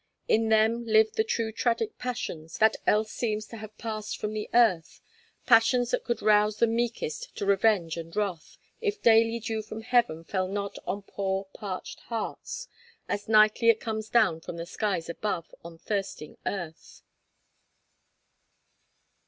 In them live the true tragic passions that else seem to have passed from the earth; passions that could rouse the meekest to revenge and wrath, if daily dew from heaven fell not on poor parched hearts, as nightly it comes down from the skies above, on thirsting earth.